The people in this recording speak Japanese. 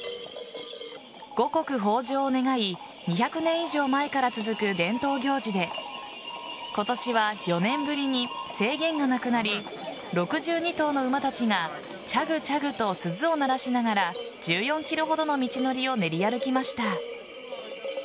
五穀豊穣を願い２００年以上前から続く伝統行事で今年は４年ぶりに制限がなくなり６２頭の馬たちがチャグチャグと鈴を鳴らしながら１４ｋｍほどの道のりを練り歩きました。